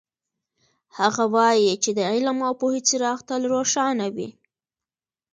هغه وایي چې د علم او پوهې څراغ تل روښانه وي